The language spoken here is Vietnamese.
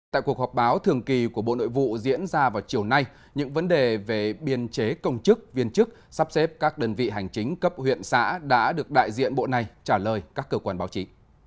tại cuộc họp báo thường kỳ của bộ nội vụ diễn ra vào chiều nay những vấn đề về biên chế công chức viên chức sắp xếp các đơn vị hành chính cấp huyện xã đã được đại diện bộ này trả lời các cơ quan báo chí